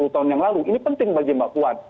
sepuluh tahun yang lalu ini penting bagi mbak puan